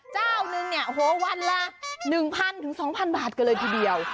เจ้านึงเนี่ยโอ้โหวันละ๑๐๐๒๐๐บาทกันเลยทีเดียว